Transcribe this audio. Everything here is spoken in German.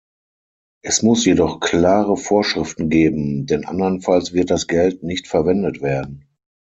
Es muss jedoch klare Vorschriften geben, denn andernfalls wird das Geld nicht verwendet werden.